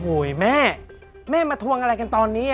โอ้โหแม่แม่มาทวงอะไรกันตอนนี้